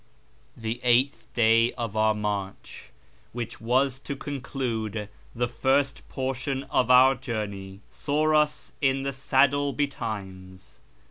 The eighth day of our march, wdiich was to conclude the first portion of our journey, saw us in the saddle betimes.